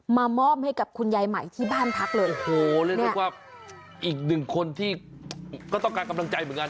มอบให้กับคุณยายใหม่ที่บ้านพักเลยโอ้โหเรียกได้ว่าอีกหนึ่งคนที่ก็ต้องการกำลังใจเหมือนกัน